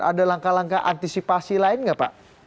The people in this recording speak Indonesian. ada langkah langkah antisipasi lain nggak pak